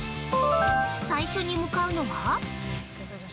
最初に向かうのは？